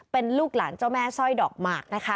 เป็นลูกหลานเจ้าแม่สร้อยดอกหมากนะคะ